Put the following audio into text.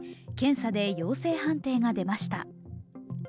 検査で陽性判定が出ました。